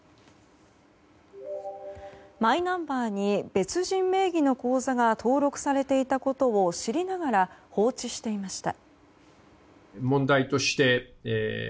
マイナンバーに別人名義の口座が登録されていたことを知りながら放置していました。